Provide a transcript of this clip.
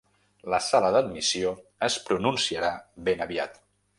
La sala d’admissió es pronunciarà ben aviat.